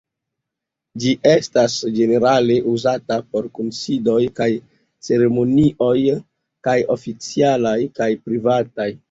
Ĝi estas ĝenerale uzata por kunsidoj kaj ceremonioj, kaj oficialaj kaj privataj.